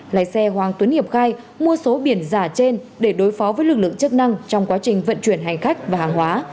lái xe hoàng tuấn hiệp khai mua số biển giả trên để đối phó với lực lượng chức năng trong quá trình vận chuyển hành khách và hàng hóa